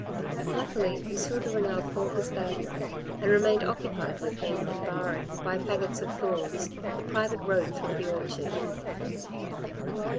Luckily, M. de Renal called his gardener, and remained occupied with him in barring by faggots of thorns the private road through the orchard.